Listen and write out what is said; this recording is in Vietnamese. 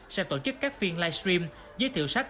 sẽ tổ chức các phiên live stream giới thiệu sách